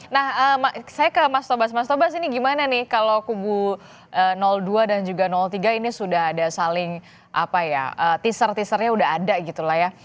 nah saya ke mas tobas mas tobas ini gimana nih kalau kubu dua dan juga tiga ini sudah ada saling apa ya teaser teasernya sudah ada gitu lah ya